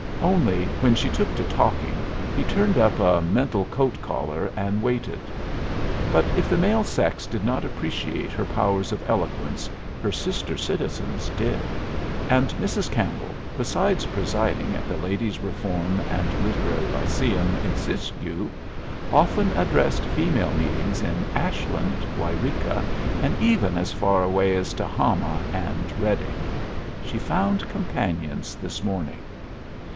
Only, when she took to talking, he turned up a mental coat collar and waited. But if the male sex did not appreciate her powers of eloquence her sister citizens did; and Mrs. Campbell, besides presiding at the Ladies' Reform and Literary Lyceum in Siskiyou, often addressed female meetings in Ashland, Yreka, and even as far away as Tehama and Redding. She found companions this morning.